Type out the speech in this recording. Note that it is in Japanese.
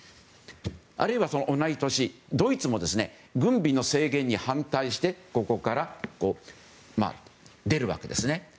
あるいは、同じ年ドイツも軍備の制限に反対してここから出るわけですね。